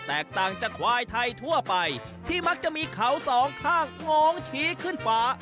แตกต่างจากควายไทยทั่วไปที่มักจะมีเขาสองข้างงองชี้ขึ้นฟ้า